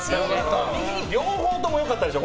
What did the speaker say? ２品、両方とも良かったでしょ